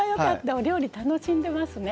お料理、楽しんでますね。